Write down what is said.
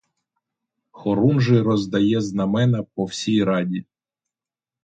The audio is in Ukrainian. Хорунжий роздає знамена по всій раді.